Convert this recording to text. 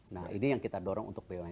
nah ini yang kita dorong untuk bumn